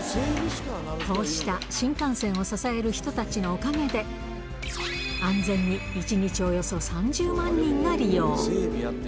こうした新幹線を支える人たちのおかげで、安全に１日およそ３０万人が利用。